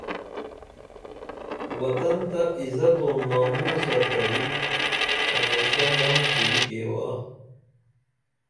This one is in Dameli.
وطن تہ عزت و ناموسہ ݜژی ہمیشہ ننگ کُری گیوا